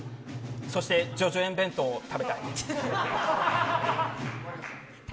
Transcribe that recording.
そして、叙々苑弁当を食べたい。